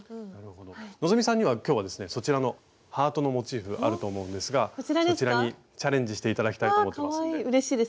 希さんには今日はですねそちらのハートのモチーフあると思うんですがそちらにチャレンジして頂きたいと思ってますんで。